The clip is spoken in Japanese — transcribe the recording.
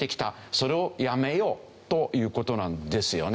それをやめようという事なんですよね。